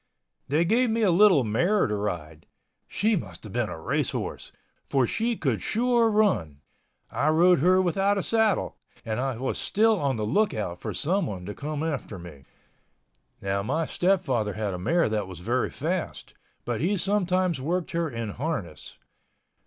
They gave me a little mare to ride. She must have been a race horse, for she could sure run. I rode her without a saddle and I was still on the look out for someone to come after me. Now my stepfather had a mare that was very fast, but he sometimes worked her in harness.